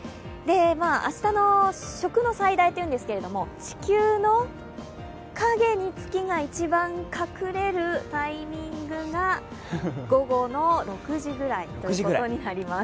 明日の食の最大は地球の陰に月が一番隠れるタイミングが午後の６時ぐらいということになります。